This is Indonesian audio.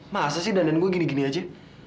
masa sih dandan gue gini gini aja